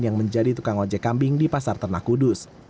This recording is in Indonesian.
yang menjadi tukang ojek kambing di pasar ternak kudus